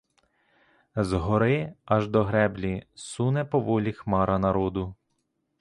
З гори аж до греблі суне поволі хмара народу.